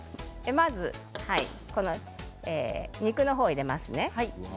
まず肉の方を入れますね。